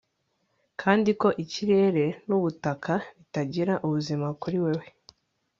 Kandi ko ikirere nubutaka bitagira ubuzima kuri wewe